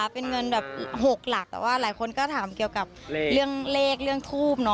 เป็นเงินแบบ๖หลักแต่ว่าหลายคนก็ถามเกี่ยวกับเรื่องเลขเรื่องทูบ